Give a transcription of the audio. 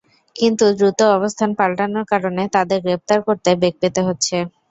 কিন্তু দ্রুত অবস্থান পাল্টানোর কারণে তাদের গ্রেপ্তার করতে বেগ পেতে হচ্ছে।